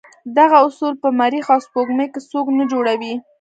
دغه اصول په مریخ او سپوږمۍ کې څوک نه جوړوي.